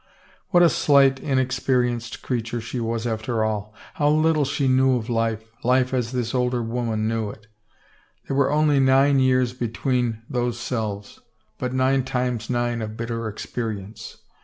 What a slight, inexperienced creature she was, after all ! How little she knew life, life as this older woman knew it. There were only nine years between those selves, but nine times nine of bitter experience.